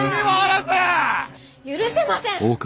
許せません！